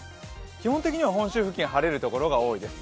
基本的には本州付近晴れるところが多いです。